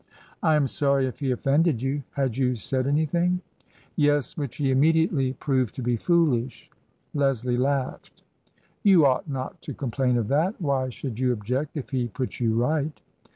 " I am sorry if he offended you. Had you said any thing ?"" Yes — which he immediately proved to be foolish." Leslie laughed. " You ought not to complain of that. Why should you object if he put you right